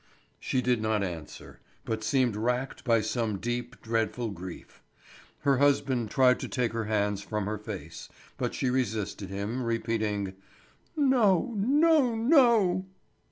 She did not answer, but seemed racked by some deep and dreadful grief. Her husband tried to take her hands from her face, but she resisted him, repeating: "No, no, no."